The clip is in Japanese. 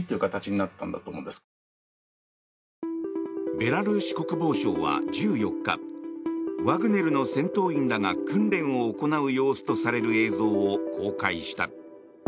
ベラルーシ国防省は１４日ワグネルの戦闘員らが訓練を行う様子とされる映像を公開した。